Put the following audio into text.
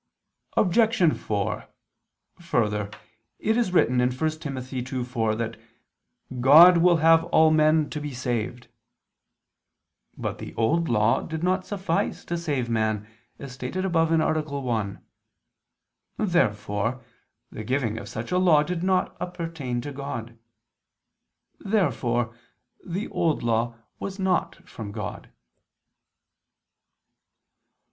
Obj. 4: Further, it is written (1 Tim. 2:4) that God "will have all men to be saved." But the Old Law did not suffice to save man, as stated above (A. 1). Therefore the giving of such a law did not appertain to God. Therefore the Old Law was not from God.